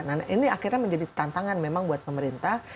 nah ini akhirnya menjadi tantangan memang buat pemerintah